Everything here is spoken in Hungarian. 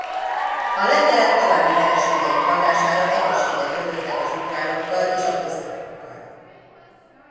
A lengyelek további vereségeik hatására egyezséget kötöttek az ukránokkal és a kozákokkal.